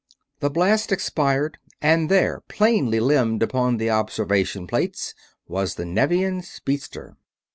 The blast expired and there, plainly limned upon the observation plates, was the Nevian speedster.